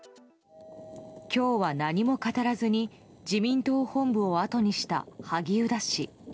今日は何も語らずに自民党本部をあとにした萩生田氏。